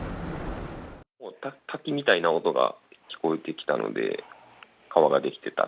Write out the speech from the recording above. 滝みたいな音が聞こえてきたので、川が出来てた。